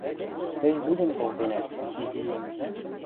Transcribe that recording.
— Тӹнь лӱдӹн колтенӓт, изиэм...